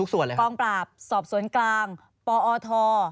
ส่วนกองปราบสอบสวนกลางปอท